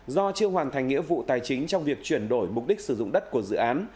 do chưa hoàn thành nghĩa vụ tài chính trong việc chuyển đổi mục đích sử dụng đất của dự án